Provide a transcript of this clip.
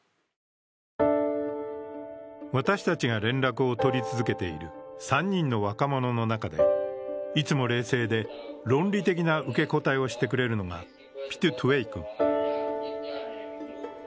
私たちが連絡を取り続けている３人の若者の中で、いつも冷静で論理的な受け答えをしてくれるのがピ・トゥ・トェイ君。